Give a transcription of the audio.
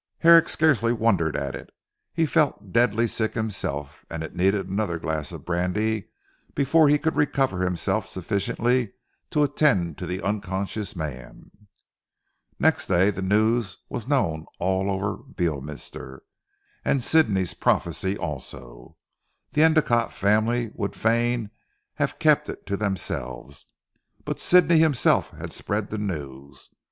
Herrick scarcely wondered at it; he felt deadly sick himself and it needed another glass of brandy before he could recover himself sufficiently to attend to the unconscious man. Next day the news was known all over Beorminster; and Sidney's prophecy also. The Endicotte family would fain have kept it to themselves; but Sidney himself had spread the news.